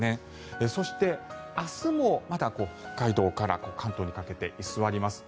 そして明日も北海道から関東にかけて居座ります。